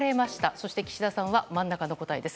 そして岸田さんは真ん中の答えです。